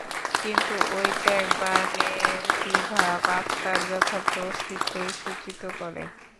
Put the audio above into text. কিন্তু ঐ ত্যাগ বা নেতিভাব আত্মার যথার্থ অস্তিত্বই সূচিত করে।